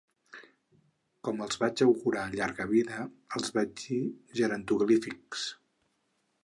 Com que els vaig augurar llarga vida, en vaig dir “gerontoglífics”.